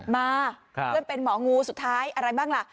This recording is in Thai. เพื่อนเป็นหมองูสุดท้ายอะไรบ้างล่ะ